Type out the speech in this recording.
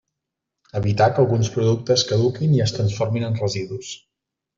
Evitar que alguns productes caduquin i es transformin en residus.